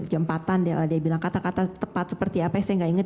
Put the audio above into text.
jam empat an dia bilang kata kata tepat seperti apa saya tidak ingat